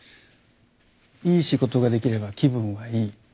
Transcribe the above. いい仕事ができれば気分はいい。